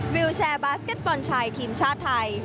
วิวแชร์บาสเก็ตบอลชายทีมชาติไทย